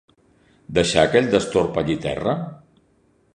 Deixar aquell destorb allí terra?